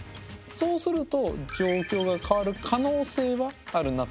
そうすると状況が変わる可能性はあるなと思います。